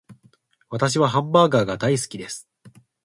私はハンバーガーが大好きです